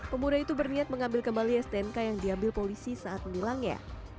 pemuda itu berniat mengambil kembali s sepuluh k yang diambil polisi saat menilangnya